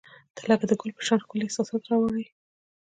• ته لکه د ګل په شان ښکلي احساسات راوړي.